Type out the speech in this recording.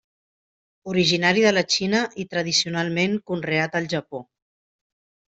Originari de la Xina i tradicionalment conreat al Japó.